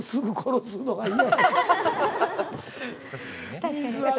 確かにね。